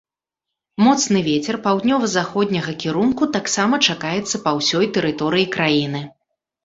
Моцны вецер паўднёва-заходняга кірунку таксама чакаецца па ўсёй тэрыторыі краіны.